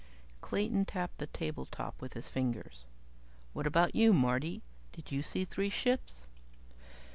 Clayton tapped the tabletop with his fingers. "What about you, Marty? Did you see three ships?"